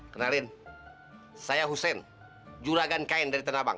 kenalin saya hussein juragan kain dari tenabang